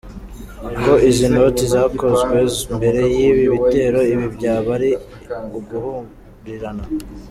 Ko izi noti zakozwe mbere y’ibi bitero, ibi byaba ari uguhurirana ?.